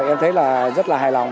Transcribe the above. em thấy rất là hài lòng